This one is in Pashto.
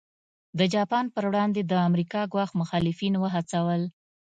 د جاپان پر وړاندې د امریکا ګواښ مخالفین وهڅول.